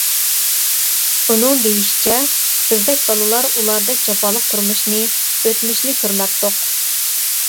ئۇنىڭ دېيىشىچە، بىزدەك بالىلار ئۇلاردەك جاپالىق تۇرمۇشنى، ئۆتمۈشنى كۆرمەپتۇق.